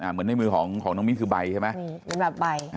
เหมือนในมือของน้องมิ้นคือใบใช่ไหม